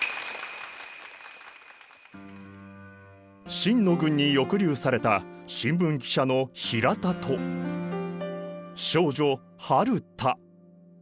清の軍に抑留された新聞記者の比良田と少女春田。